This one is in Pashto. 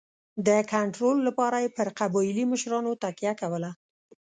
د کنټرول لپاره یې پر قبایلي مشرانو تکیه کوله.